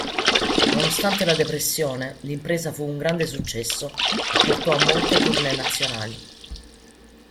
Nonostante la depressione, l'impresa fu un grande successo e portò a molte tournée nazionali.